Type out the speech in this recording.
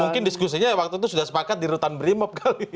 mungkin diskusinya waktu itu sudah sepakat di rutan brimob